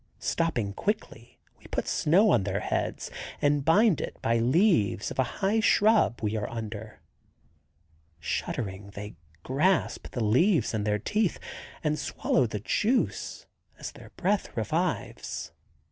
Stopping quickly, we put snow on their heads and bind it by leaves of a high shrub we are under. Shuddering, they grasp the leaves in their teeth and swallow the juice as their breath revives.